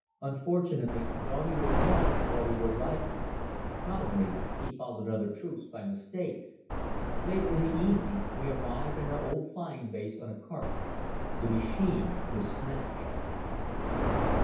Unfortunately doggie was lost while we were riding. Probably he followed other troops by mistake. Later in the evening we arrived in our old flying base on a cart. The machine was smashed.